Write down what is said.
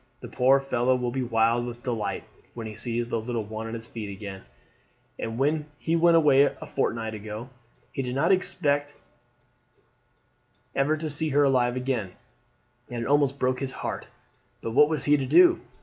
The poor fellow will be wild with delight when he sees the little one on its feet again. When he went away a fortnight ago he did not expect ever to see her alive again, and it almost broke his heart. But what was he to do?